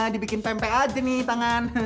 dibikin pempek aja nih tangan